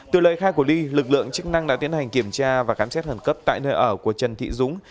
từ lời khai của ly lực lượng chức năng đã tiến hành kiểm tra và khám xét khẩn cấp tại nơi ở của trần thị dũng